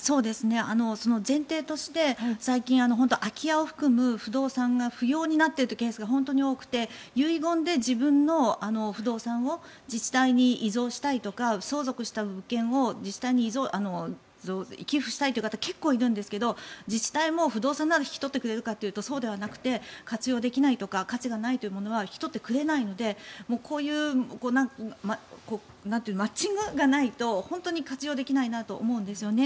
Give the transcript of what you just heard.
前提として最近本当に空き家を含む不動産が不要になっているケースが本当に多くて遺言で自分の不動産を自治体に遺贈したいとか相続した物件を自治体に寄付したいという方が結構いるんですが自治体も不動産なら引き取ってくれるかというとそうではなくて活用できないとか価値がないというものは引き取ってくれないのでこういうマッチングがないと本当に活用できないなと思うんですよね。